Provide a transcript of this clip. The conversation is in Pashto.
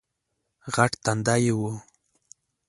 غټ تندی یې وو